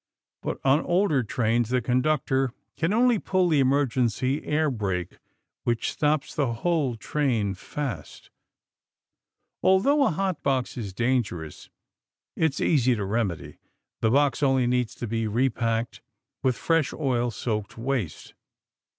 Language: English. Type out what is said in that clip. But on older trains, the conductor can only pull the emergency air brake, which stops the whole train fast. Although a hot box is dangerous, it's easy to remedy. The box only needs to be re packed with fresh oil soaked waste.